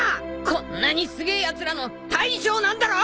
こんなにすげえやつらの大将なんだろ！？